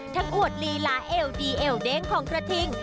อวดลีลาเอวดีเอลเด้งของกระทิง